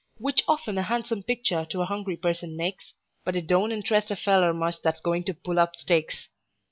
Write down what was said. Which often a han'some pictur' to a hungry person makes, But it don't interest a feller much that's goin' to pull up stakes.